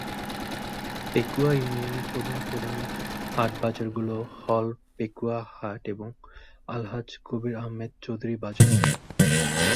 পেকুয়া ইউনিয়নের প্রধান প্রধান হাট/বাজারগুলো হল পেকুয়া হাট এবং আলহাজ্ব কবির আহমদ চৌধুরী বাজার।